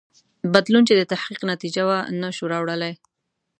بدلون چې د تحقیق نتیجه وه نه شو راوړلای.